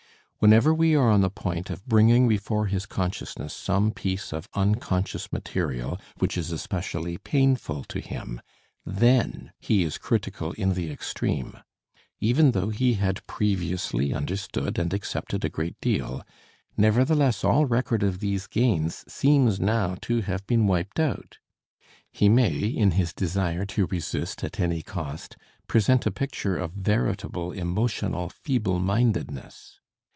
Whenever we are on the point of bringing before his consciousness some piece of unconscious material which is especially painful to him, then he is critical in the extreme. Even though he had previously understood and accepted a great deal, nevertheless all record of these gains seems now to have been wiped out. He may, in his desire to resist at any cost, present a picture of veritable emotional feeblemindedness.